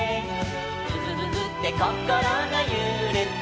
「くふふふってこころがゆれて」